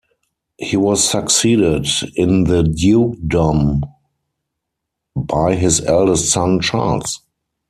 He was succeeded in the dukedom by his eldest son, Charles.